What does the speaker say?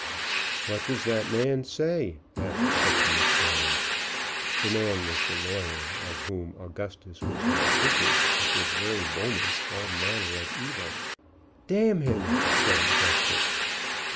"What does that man say?" asked Septimus Jones. The man was the lawyer of whom Augustus was now thinking, at this very moment, all manner of evil. "D n him!" said Augustus.